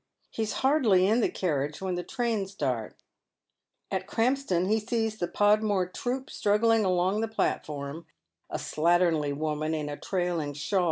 He is hardly in the carnage when the train starts. At Krampston he sees the Podmore troop struggling on the platform, a slatternly woman in a trailing shaw?